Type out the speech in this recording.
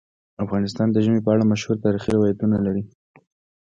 افغانستان د ژمی په اړه مشهور تاریخی روایتونه لري.